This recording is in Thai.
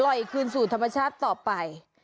ปล่อยคืนสู่ธรรมชาติต่อไป